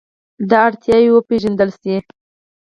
دا اړتیاوې وپېژندل شي.